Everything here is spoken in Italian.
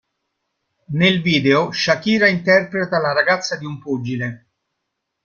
Nel video Shakira interpreta la ragazza di un pugile.